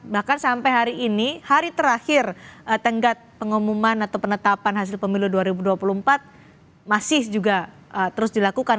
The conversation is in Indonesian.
bahkan sampai hari ini hari terakhir tenggat pengumuman atau penetapan hasil pemilu dua ribu dua puluh empat masih juga terus dilakukan